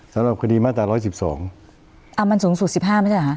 สำหรับคดีมาตรา๑๑๒ปีมันสูงสุด๑๕ปีไม่ใช่ไหม